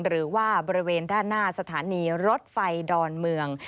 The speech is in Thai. หรือว่าบริเวณด้านหน้าสถานีรถไฟดอนเมือง